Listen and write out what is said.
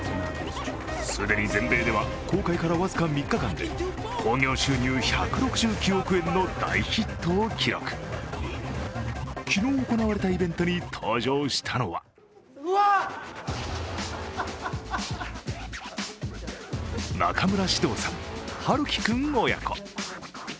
既に全米では公開から僅か３日間で興行収入１６９億円の大ヒットを記録昨日行われたイベントに登場したのは中村獅童さん、陽喜君親子。